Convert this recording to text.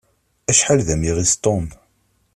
Acḥal d amiɣis Tom!